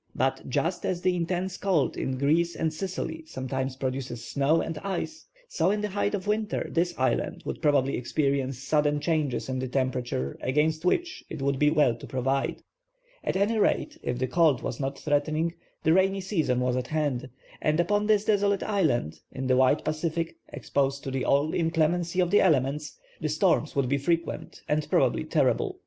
But just as the intense cold in Greece and Sicily sometimes produces snow and ice, so, in the height of winter, this island would probably experience sudden changes in the temperature against which it would be well to provide. At any rate, if the cold was not threatening, the rainy season was at hand, and upon this desolate island, in the wide Pacific, exposed to all the inclemency of the elements, the storms would be frequent, and, probably, terrible.